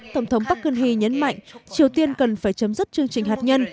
tổng thống park geun hye nhấn mạnh triều tiên cần phải chấm dứt chương trình hạt nhân